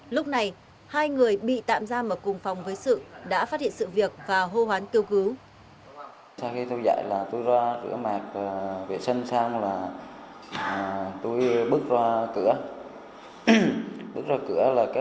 lúc này hai người bị tạm giam ở cùng phòng với sự đã phát hiện sự việc và hô hoán kêu cứu